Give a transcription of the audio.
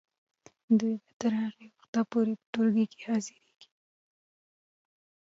دوی به تر هغه وخته پورې په ټولګیو کې حاضریږي.